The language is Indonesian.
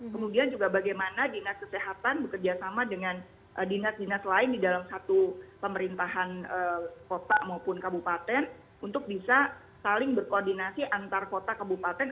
kemudian juga bagaimana dinas kesehatan bekerjasama dengan dinas dinas lain di dalam satu pemerintahan kota maupun kabupaten untuk bisa saling berkoordinasi antar kota kabupaten